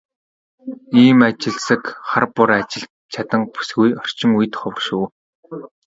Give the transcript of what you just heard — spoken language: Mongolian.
Ийм ажилсаг, хар бор ажилд чаданги бүсгүй орчин үед ховор шүү.